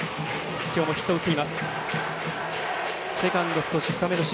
今日もヒットを打っています。